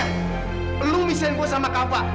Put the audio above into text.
kamu bisa yang buat sama kava